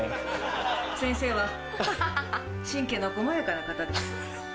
先生は神経の細やかな方です。